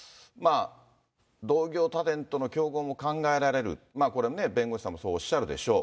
同業他店との競合も考えられる、これね、弁護士さんもそうおっしゃるでしょう。